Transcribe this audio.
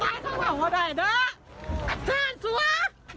เตี๋ยวก่อนเตี๋ยวก่อนเตี๋ยวก่อนเตี๋ยวก่อน